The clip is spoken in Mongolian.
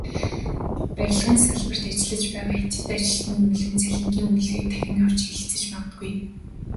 Барилгын салбарт ажиллаж байгаа хятад ажилчны үнэлэмж, цалингийн үнэлгээг дахин авч хэлэлцэж магадгүй.